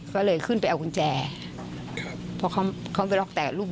ก็เลยขึ้นไปเอากุญแจเพราะเขาไปรอกแตกกับลูกบิด